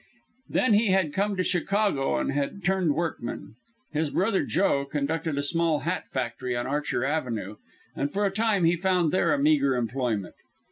Then he had come to Chicago and had turned workman. His brother Joe conducted a small hat factory on Archer Avenue, and for a time he found there a meager employment.